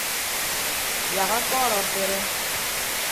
Yak akọọrọ afere.